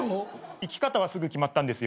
生き方はすぐ決まったんですよ。